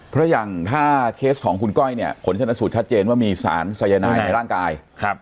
เพราะอย่างถ้าเคสของคุณก้อยเนี่ยผลชนสูตรชัดเจนว่ามีสารสายนายในร่างกาย